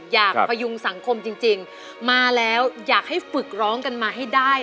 พยุงสังคมจริงมาแล้วอยากให้ฝึกร้องกันมาให้ได้